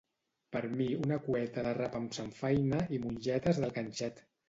Per mi una cueta de rap amb samfaina i mongetes del ganxet